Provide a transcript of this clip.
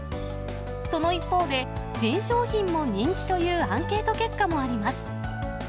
その一方で、新商品も人気というアンケート結果もあります。